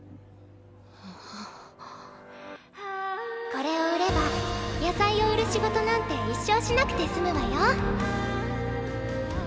これを売れば野菜を売る仕事なんて一生しなくてすむわよ！